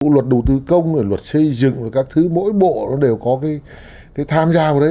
luật đầu tư công luật xây dựng các thứ mỗi bộ đều có cái tham gia vào đấy